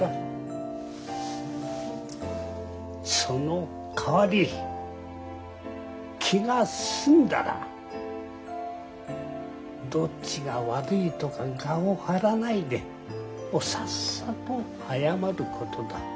そのかわり気が済んだらどっちが悪いとか我を張らないでさっさと謝ることだ。